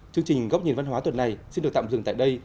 chương trình góc nhìn văn hóa tuần này xin được tạm dừng tại đây